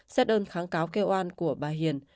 xét ơn kháng cáo kêu oan của bà hiền